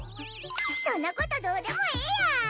そんなことどうでもええやん！